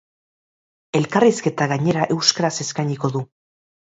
Elkarrizketa gainera euskaraz eskainiko du!